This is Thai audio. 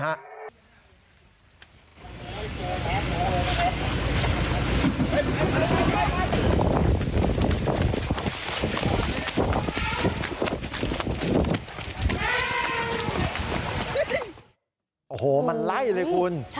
โอ้โหมันไล่เลยคุณ